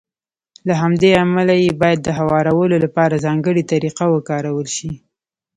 له همدې امله يې بايد د هوارولو لپاره ځانګړې طريقه وکارول شي.